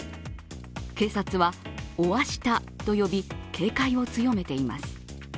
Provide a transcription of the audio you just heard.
警察はオア下と呼び、警戒を強めています。